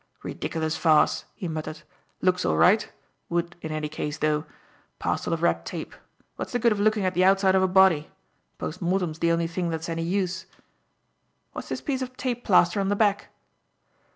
"Ridiculous farce," he muttered. "Looks all right. Would, in any case though. Parcel of red tape. What's the good of looking at the outside of a body? Post mortem's the only thing that's any use. What's this piece of tape plaster on the back?"